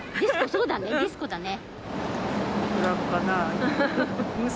そうだねディスコだね。